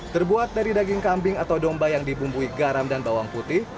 terbuat dari daging kambing atau domba yang dibumbui garam dan bawang putih